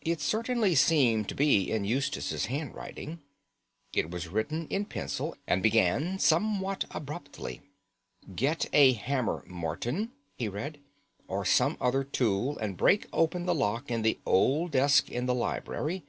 It certainly seemed to be in Eustace's handwriting. It was written in pencil, and began somewhat abruptly. "Get a hammer, Morton," he read, "or some other tool, and break open the lock in the old desk in the library.